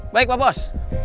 baik pak bos